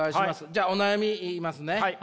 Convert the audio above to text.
じゃお悩み言いますね。